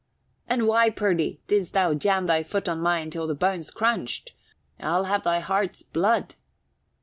"And why, perdy, did'st thou jam thy foot on mine till the bones crunched? I'll have thy heart's blood."